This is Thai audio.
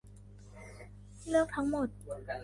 เลือกทั้งหมด